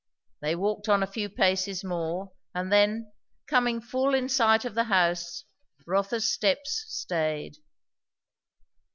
They walked on a few paces more, and then, coming full in sight of the house, Rotha's steps stayed.